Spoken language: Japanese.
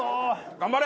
頑張れ！